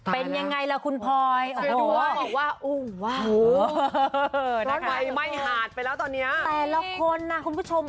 เป็นยังไงละคุณพอยว่าอ้วดแบบที่ไม่ถาดไปแล้วตอนนี้แต่ร่งคนนะคุณผู้ชม